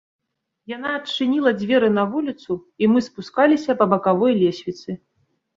Яна адчыніла дзверы на вуліцу, і мы спускаліся па бакавой лесвіцы.